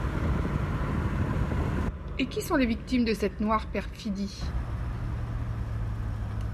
Et qui sont les victimes de cette noire perfidie ?